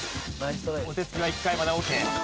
お手つきは１回までオーケー。